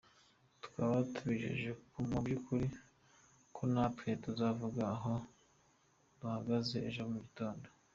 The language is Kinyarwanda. Tukaba tubijeje mu by’ukuri ko natwe tuzavuga aho duhagaze ejo mu gitondo.